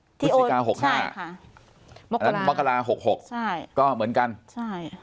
พฤศจิกาหกห้าค่ะมกราหกหกใช่ก็เหมือนกันใช่